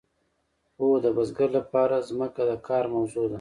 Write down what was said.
هو د بزګر لپاره ځمکه د کار موضوع ده.